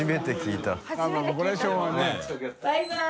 バイバイ！